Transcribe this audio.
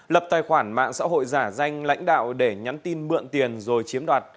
lập tài khoản mạng xã hội giả danh lãnh đạo để nhắn tin mượn tiền rồi chiếm đoạt